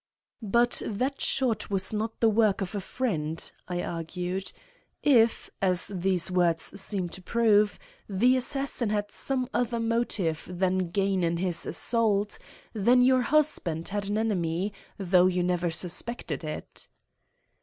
"But that shot was not the work of a friend," I argued. "If, as these words seem to prove, the assassin had some other motive than gain in his assault, then your husband had an enemy, though you never suspected it."